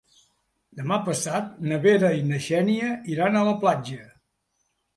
Demà passat na Vera i na Xènia iran a la platja.